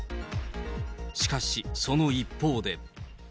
しかし、その一方で。